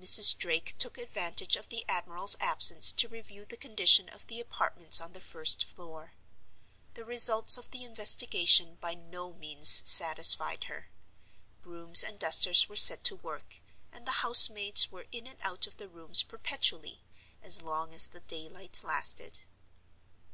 Mrs. Drake took advantage of the admiral's absence to review the condition of the apartments on the first floor. The results of the investigation by no means satisfied her; brooms and dusters were set to work; and the house maids were in and out of the rooms perpetually, as long as the daylight lasted.